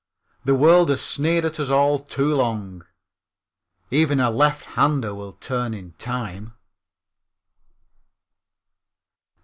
The world has sneered at us all too long. Even a lefthander will turn in time.